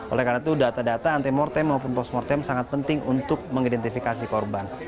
oleh karena itu data data antemortem maupun postmortem sangat penting untuk mengidentifikasi korban